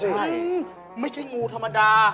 ใช่ไม่ใช่งูธรรมดา